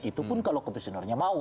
itu pun kalau komisionernya mau